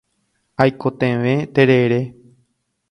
Aikotevẽ terere.